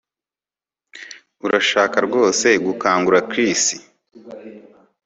Urashaka rwose gukangura Chris